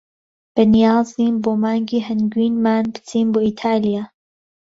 بەنیازین بۆ مانگی هەنگوینیمان بچین بۆ ئیتالیا.